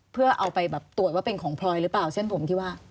เพื่อเอาไปแบบตรวจว่าเป็นของพลอยหรือเปล่าเส้นผมที่ว่า